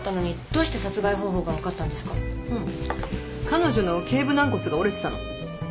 彼女のけい部軟骨が折れてたの。